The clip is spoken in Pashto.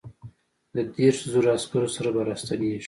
د دیرشو زرو عسکرو سره به را ستنېږي.